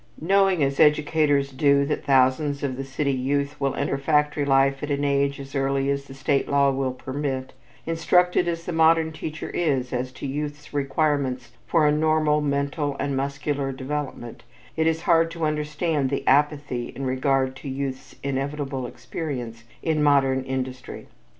Knowing as educators do that thousands of the city youth will enter factory life at an age as early as the state law will permit; instructed as the modern teacher is as to youth's requirements for a normal mental and muscular development, it is hard to understand the apathy in regard to youth's inevitable experience in modern industry.